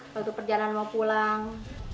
waktu perjalanan mau pulang